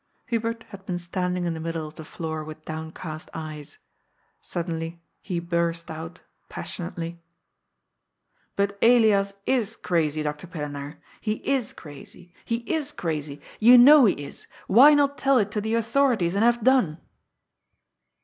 Hubert had been standing in the middle of the floor with downcast eyes. Suddenly he burst out passionately :" But Elias is crazy, Dr. Pillenaar. He is crazy ; he is crazy. You know he is. Why not tell it to the author ities, and have done